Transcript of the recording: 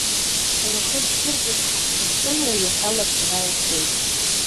Рхы зқәырҵаз ҳа ҳхьыԥшымра, иахьа лабҿаба иаҳбеит.